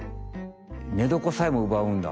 寝床さえもうばうんだ。